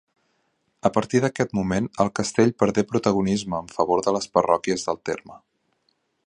A partir d'aquest moment el castell perdé protagonisme en favor de les parròquies del terme.